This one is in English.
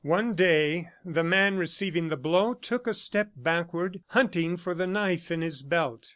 One day, the man receiving the blow, took a step backward, hunting for the knife in his belt.